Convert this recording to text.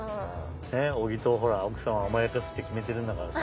ねっ小木とら奥さんを甘やかすって決めてるんだからさ。